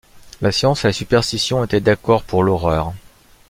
La science et la superstition étaient d’accord pour l’horreur.